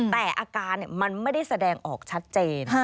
แต่อาการมันไม่ได้แสดงออกชัดเจน